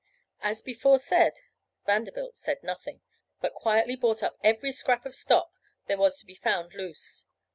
As before said Vanderbilt said nothing, but quietly bought up every scrap of stock there was to be found loose.